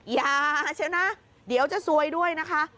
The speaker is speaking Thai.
อย่าเชียวนะเดี๋ยวจะซวยด้วยนะคะ